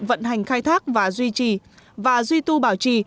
vận hành khai thác và duy trì và duy tu bảo trì